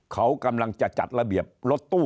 เขากำลังจะจัดระเบียบรถตู้